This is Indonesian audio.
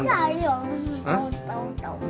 ya ya tahu tahu